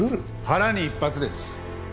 腹に１発です。